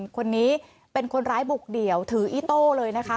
คนนี้เป็นคนร้ายบุกเดี่ยวถืออีโต้เลยนะคะ